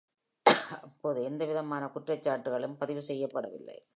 அப்போது எந்தவிதமான குற்றச்சாட்டுகளும் பதிவு செய்யப்படவில்லை.